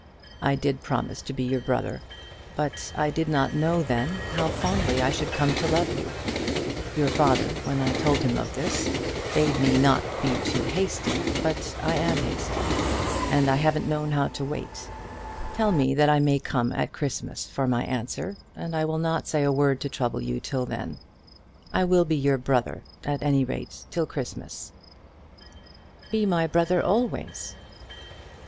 I did promise to be your brother, but I did not know then how fondly I should come to love you. Your father, when I told him of this, bade me not to be hasty; but I am hasty, and I haven't known how to wait. Tell me that I may come at Christmas for my answer, and I will not say a word to trouble you till then. I will be your brother, at any rate till Christmas." "Be my brother always."